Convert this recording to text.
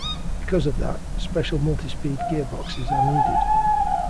Because of that, special multi-speed gearboxes are needed.